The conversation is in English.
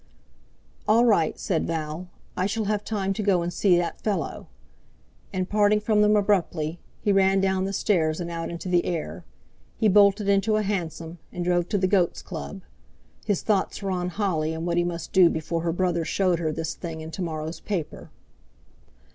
"All right," said Val; "I shall have time to go and see that fellow." And, parting from them abruptly, he ran down the stairs and out into the air. He bolted into a hansom, and drove to the Goat's Club. His thoughts were on Holly and what he must do before her brother showed her this thing in to morrow's paper.